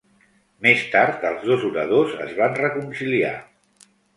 Més tard els dos oradors es van reconciliar.